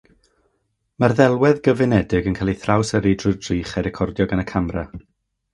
Mae'r ddelwedd gyfunedig yn cael ei thrawsyrru trwy'r drych a'i recordio gan y camera.